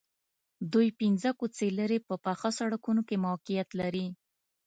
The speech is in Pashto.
دوی پنځه کوڅې لرې په پاخه سړکونو کې موقعیت لري